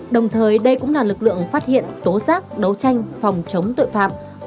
đồng thời đây cũng là lực lượng phát hiện tố giác đấu tranh phòng chống tội phạm